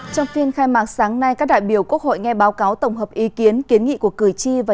trong phiên khai mạc sáng nay các đại biểu quốc hội nghe báo cáo tổng hợp ý kiến kiến nghị của cử tri và